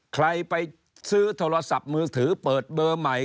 ใครไปซื้อโทรศัพท์มือถือเปิดเบอร์ใหม่